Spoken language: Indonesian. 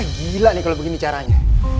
gila nih kalau begini caranya